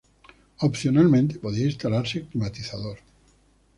Opcionalmente podía instalarse climatizador.